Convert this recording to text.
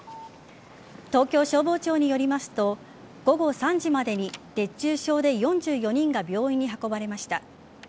東京消防庁によりますと午後３時までに熱中症で４４人が病院に運ばれました。